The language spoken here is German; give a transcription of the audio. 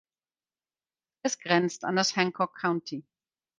Es grenzt an das Hancock County.